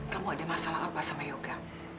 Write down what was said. kamu ada masalah apa sama yoga